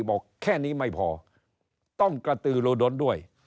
บอกแค่นี้ไม่พอต้องกระตือโลดนด้วย